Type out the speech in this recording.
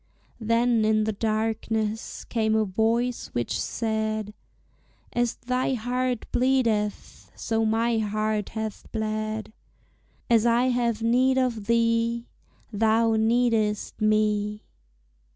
Then in the darkness came a voice which said, "As thy heart bleedeth, so my heart hath bled, As I have need of thee, Thou needest me."